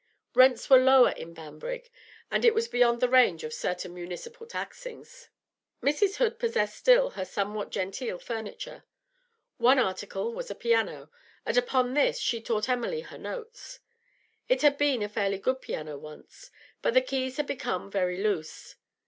Rents were lower in Banbrigg, and it was beyond the range of certain municipal taxings. Mrs. Hood possessed still her somewhat genteel furniture. One article was a piano, and upon this she taught Emily her notes. It had been a fairly good piano once, but the keys had become very loose.